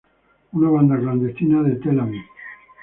Una banda clandestina de Tel Aviv.